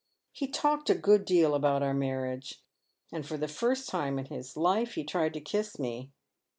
He talked a good deal about our mamage, and for the first time in his life he tried to kiss me.